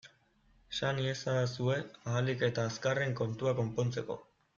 Esan iezadazue ahalik eta azkarren, kontua konpontzeko!